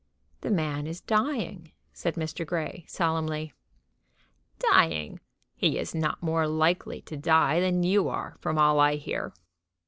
"The man is dying," said Mr. Grey, solemnly. "Dying! He is not more likely to die than you are, from all I hear."